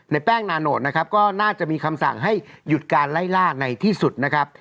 แป้งนาโนตนะครับก็น่าจะมีคำสั่งให้หยุดการไล่ล่าในที่สุดนะครับ